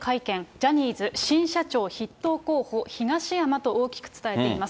ジャニーズ新社長筆頭候補、東山と大きく伝えています。